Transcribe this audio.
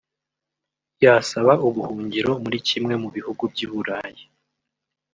yasaba ubuhungiro muri kimwe mu bihugu by’iburayi